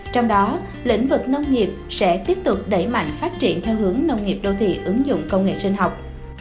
trong đó lĩnh vực nông nghiệp sẽ tiếp tục đẩy mạnh phát triển theo hướng nông nghiệp đô thị ứng dụng công nghệ sinh học